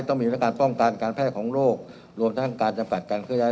ต้องมีทั้งการป้องกันการแพร่ของโรครวมทั้งการจำกัดการเคลื่อย้าย